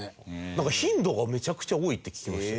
なんか頻度がめちゃくちゃ多いって聞きました。